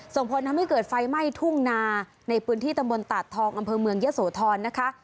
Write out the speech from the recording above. ส่งผลทำให้เกิดไฟไหม้ทุ่งนาในพื้นที่ตำบลตาดทองอำเภอเมืองยะโสธรนะคะ